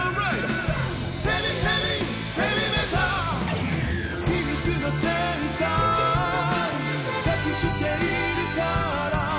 「ヘビヘビヘビメタ」「ひみつのセンサー隠しているから」